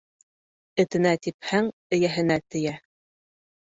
Этенә типһәң, эйәһенә тейә.